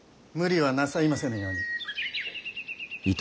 無理はなさいませぬように。